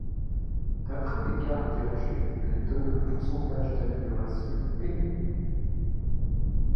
D’après les cas interrogés elle donne un pourcentage d’amélioration élevé.